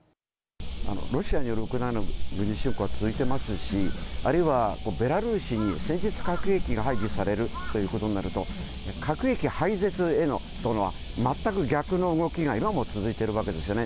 ロシアによるウクライナの軍事侵攻は続いてますし、あるいはベラルーシに戦術核兵器が配備されるということになると、核兵器廃絶への全く逆の動きが今も続いているわけですよね。